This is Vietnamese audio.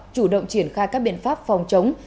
chủ động triển khai các biện pháp phòng chống